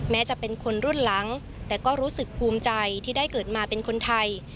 จะเป็นคนรุ่นหลังแต่ก็รู้สึกภูมิใจที่ได้เกิดมาเป็นคนไทย